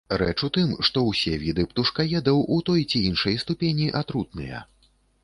Рэч у тым, што ўсе віды птушкаедаў у той ці іншай ступені атрутныя.